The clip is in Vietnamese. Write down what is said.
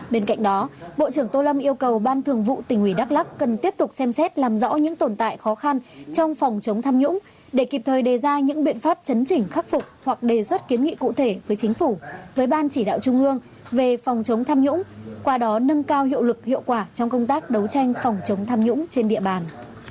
bên cạnh đó bộ trưởng tô lâm yêu cầu ban thường vụ tỉnh ủy đắk lắc cần tiếp tục xem xét làm rõ những tồn tại khó khăn trong phòng chống tham nhũng để kịp thời đề ra những biện pháp chấn chỉnh khắc phục hoặc đề xuất kiến nghị cụ thể với chính phủ với ban chỉ đạo trung ương về phòng chống tham nhũng qua đó nâng cao hiệu lực hiệu quả trong công tác đấu tranh phòng chống tham nhũng trên địa bàn